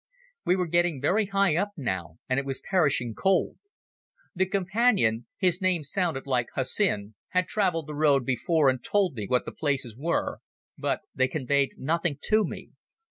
We were getting very high up now, and it was perishing cold. The Companion—his name sounded like Hussin—had travelled the road before and told me what the places were, but they conveyed nothing to me.